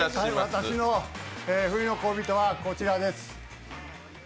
私の冬の恋人はこちらです。